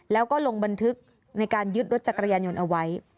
แล้วก็ลงบันทึกในการยึดรถจักรยานยนต์เอาไว้